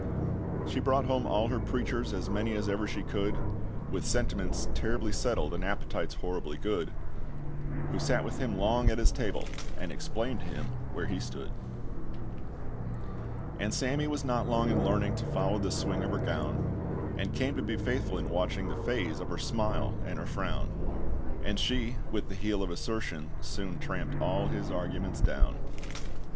She brought home all her preachers, As many as ever she could With sentiments terribly settled, And appetites horribly good Who sat with him long at his table, and explained to him where he stood. "WHO SAT WITH HIM LONG AT HIS TABLE, AND EXPLAINED TO HIM WHERE HE STOOD." And Sammy was not long in learning To follow the swing of her gown, And came to be faithful in watching The phase of her smile and her frown; And she, with the heel of assertion, soon tramped all his arguments down.